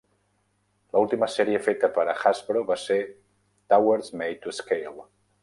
La última sèrie feta per a Hasbro va ser "Towers Made to Scale".